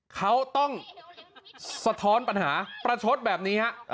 เขาต้องสะท้อนปัญหาประชดแบบนี้ฮะ